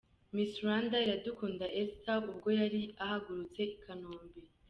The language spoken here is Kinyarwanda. Miss Rwanda Iradukunda Elsa ubwo yari ahagurutse i Kanombe.